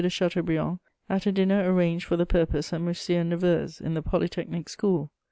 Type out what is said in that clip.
de Chateaubriand at a dinner arranged for the purpose at M. Neveu's, in the Polytechnic School.